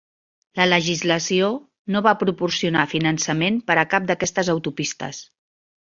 La legislació no va proporcionar finançament per a cap d'aquestes autopistes.